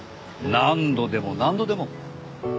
何度でも何度でも。